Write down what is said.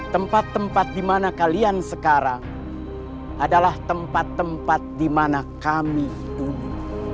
tempat tempat di mana kalian sekarang adalah tempat tempat di mana kami tumbuh